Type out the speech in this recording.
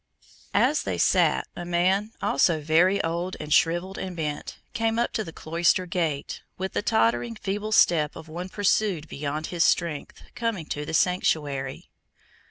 As they sat, a man, also very old and shrivelled and bent, came up to the cloister gate, with the tottering, feeble step of one pursued beyond his strength, coming to take sanctuary.